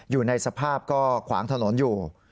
อยู่ในสภาพก็ขวางถนนอยู่